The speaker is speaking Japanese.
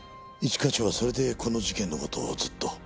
一課長はそれでこの事件の事をずっと。